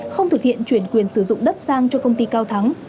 không thực hiện chuyển quyền sử dụng đất sang cho công ty cao thắng